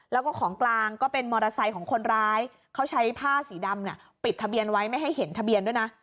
แล้วก็ของกลางก็เป็นมอเตอร์ไซค์ของคนร้ายเขาใช้ผ้าสีดำปิดทะเบียนไว้ไม่ให้เห็นทะเบียนด้วยนะ